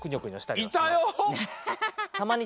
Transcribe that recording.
いたよ！